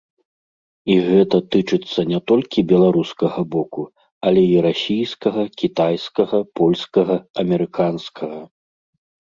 І гэта тычыцца не толькі беларускага боку, але і расійскага, кітайскага, польскага, амерыканскага.